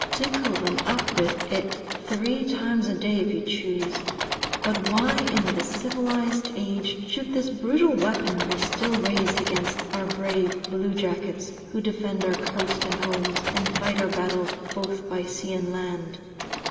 Tickle them up with it three times a day if you choose. But why, in this civilized age, should this brutal weapon be still raised against our brave blue jackets, who defend our coast and homes, and fight our battles both by sea and land.